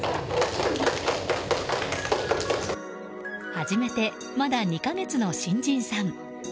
始めてまだ２か月の新人さん。